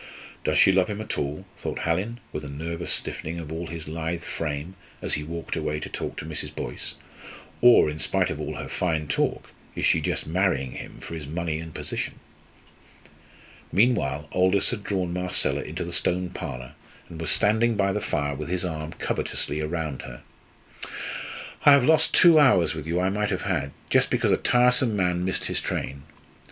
"Does she love him at all?" thought Hallin, with a nervous stiffening of all his lithe frame, as he walked away to talk to Mrs. Boyce, "or, in spite of all her fine talk, is she just marrying him for his money and position!" Meanwhile, Aldous had drawn Marcella into the Stone Parlour and was standing by the fire with his arm covetously round her. "I have lost two hours with you I might have had, just because a tiresome man missed his train.